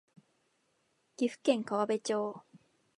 岐阜県川辺町